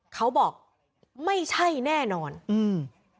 เขาบอกไม่ใช่แน่นอนอืม